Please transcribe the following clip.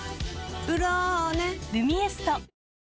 「ブローネ」「ルミエスト」